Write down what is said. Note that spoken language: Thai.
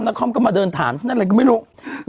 คอมก็มาเดินถามฉันอะไรก็ไม่รู้